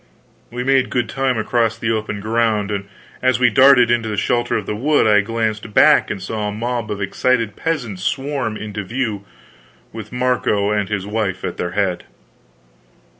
We made good time across the open ground, and as we darted into the shelter of the wood I glanced back and saw a mob of excited peasants swarm into view, with Marco and his wife at their head.